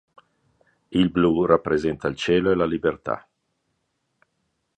Il blu rappresenta il cielo e la libertà.